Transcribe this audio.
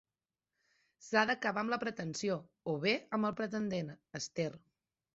S'ha d'acabar amb la pretensió, o bé amb el pretendent, Esther.